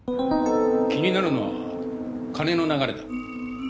気になるのは金の流れだ。